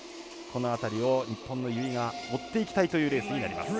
この辺りを日本の由井が追っていきたいというレースになります。